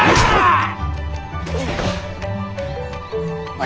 ああ！